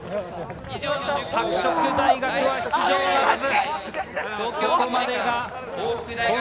拓殖大学は出場ならず。